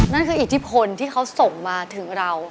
นั่นคืออิทธิพลที่เขาส่งมาถึงเรา